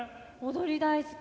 踊り大好き。